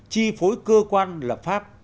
chi phối cơ quan lập pháp